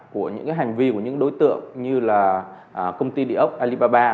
của những hành vi của những đối tượng như là công ty điều úc alibaba